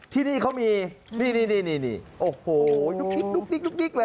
ที่นี่เขามีนี่โอ้โหดุ๊กดิ๊กเลย